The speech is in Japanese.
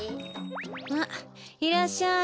あっいらっしゃい。